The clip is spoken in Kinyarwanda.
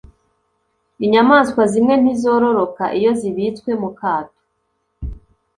Inyamaswa zimwe ntizororoka iyo zibitswe mu kato